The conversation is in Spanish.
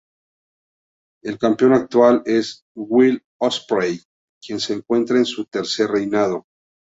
El campeón actual es Will Ospreay, quien se encuentra en su tercer reinado.